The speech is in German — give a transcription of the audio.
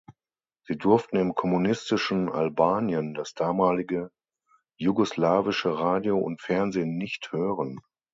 Sie durften im kommunistischen Albanien das damalige jugoslawische Radio und Fernsehen nicht hören.